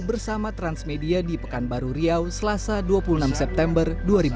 bersama transmedia di pekanbaru riau selasa dua puluh enam september dua ribu dua puluh